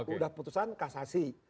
sudah putusan kasasi